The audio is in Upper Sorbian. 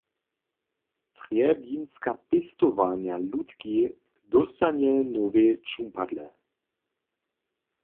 Trjebinska pěstowarnja „Lutki“ dóstanje nowej čumpadle.